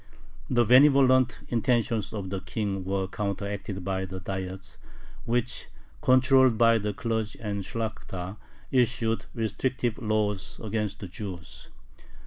The benevolent intentions of the King were counteracted by the Diets, which, controlled by the clergy and Shlakhta, issued restrictive laws against the Jews.